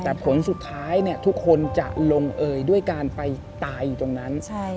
แต่ผลสุดท้ายทุกคนจะลงเอยด้วยการไปตายอยู่ตรงนั้น